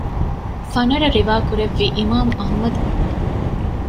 ފަނަރަ ރިވާކުރެއްވީ އިމާމު އަޙްމަދު